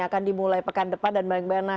akan dimulai pekan depan dan bagaimana